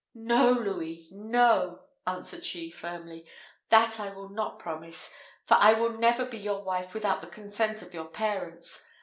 "No, Louis, no!" answered she, firmly, "that I will not promise; for I will never be your wife without the consent of your parents.